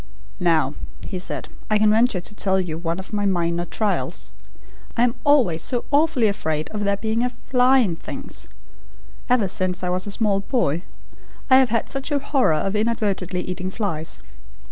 "Now," he said, "I can venture to tell you one of my minor trials. I am always so awfully afraid of there being a FLY in things. Ever since I was a small boy I have had such a horror of inadvertently eating flies.